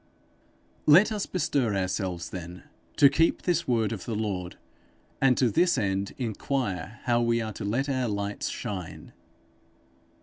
Let us bestir ourselves then to keep this word of the Lord; and to this end inquire how we are to let our light shine.